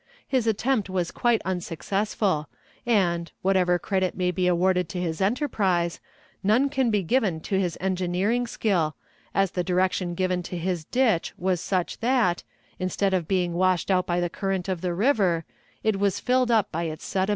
His attempt was quite unsuccessful, and, whatever credit may be awarded to his enterprise, none can be given to his engineering skill, as the direction given to his ditch was such that, instead of being washed out by the current of the river, it was filled up by its sediment.